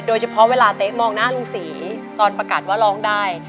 เวลาเต๊ะมองหน้าลุงศรีตอนประกาศว่าร้องได้